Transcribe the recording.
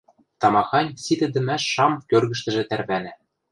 тамахань ситӹдӹмӓш шам кӧргӹштӹжӹ тӓрвӓнӓ.